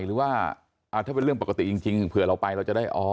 หรือว่าถ้าเป็นเรื่องปกติจริงเผื่อเราไปเราจะได้อ๋อ